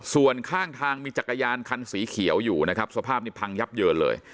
ส่วนข้างทางมีจักรยานคันสีเขียวอยู่นะครับสภาพนี้พังยับเยินเลย